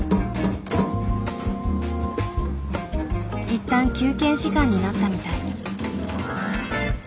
一旦休憩時間になったみたい。